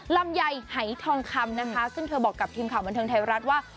ลำไยหายทองคำนะคะซึ่งเธอบอกกับทีมข่าวบันเทิงไทยรัฐว่า